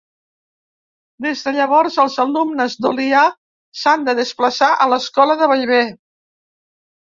Des de llavors els alumnes d'Olià s'han de desplaçar a l'Escola de Bellver.